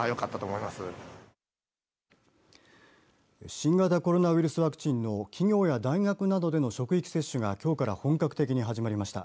新型コロナウイルスワクチンの企業や大学などでの職域接種がきょうから本格的に始まりました。